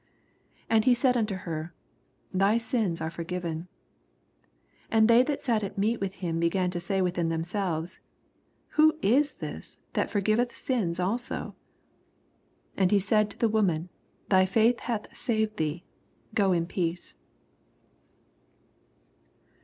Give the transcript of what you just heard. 48 And ne said unto her. Thy sms are forgiven. 49 And they that sat at meat with him began to say within themselves. Who is this that forgiveth sins also r 50 And he said to the woman, Thy Mth hath saved thee ; go in peace.